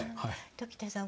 鴇田さん